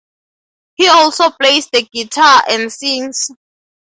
He also plays the guitar and sings.